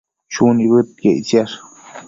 Chu nibëdquiec ictisash